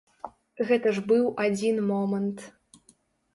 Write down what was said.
Гэта ж быў адзін момант.